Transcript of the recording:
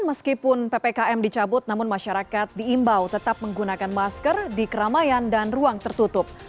meskipun ppkm dicabut namun masyarakat diimbau tetap menggunakan masker di keramaian dan ruang tertutup